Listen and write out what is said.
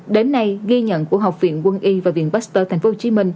đến nay ghi nhận của học viện quân y và viện pasteur tp hcm